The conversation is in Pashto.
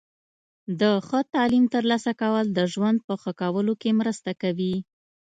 د ښه تعلیم ترلاسه کول د ژوند په ښه کولو کې مرسته کوي.